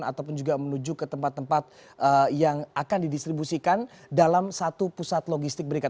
ataupun juga menuju ke tempat tempat yang akan didistribusikan dalam satu pusat logistik berikat